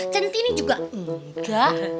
centini juga enggak